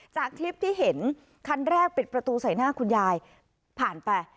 จากคลิปที่เห็นคันแรกปิดประตูใส่หน้าคุณยายผ่านไป